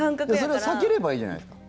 それを避ければいいじゃないですか。